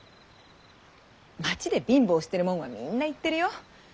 町で貧乏してるもんはみんな言ってるよ。